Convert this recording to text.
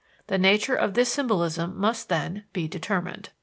The nature of this symbolism must, then, be determined.